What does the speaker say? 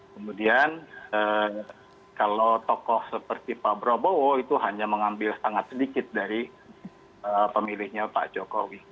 kemudian kalau tokoh seperti pak prabowo itu hanya mengambil sangat sedikit dari pemilihnya pak jokowi